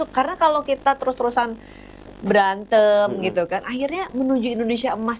karena kalau kita terus terusan berantem gitu kan akhirnya menuju indonesia emas